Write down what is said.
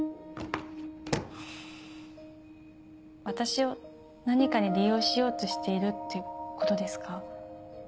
私を何かに利用しようとしているってことですか？